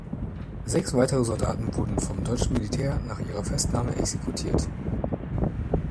Sechs weitere Soldaten wurden vom deutschen Militär nach ihrer Festnahme exekutiert.